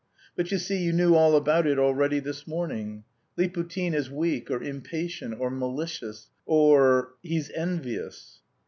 "But you see, you knew all about it already this morning; Liputin is weak or impatient, or malicious or... he's envious."